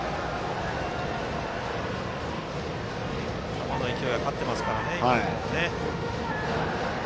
球の勢いが勝ってますからね、今。